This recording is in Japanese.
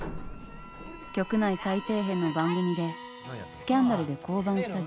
「局内最底辺の番組でスキャンダルで降板した女子アナ」